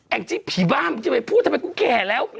แอ้งจิผีบ้ามอย่าไปพูดทำไมกูแก่แล้ว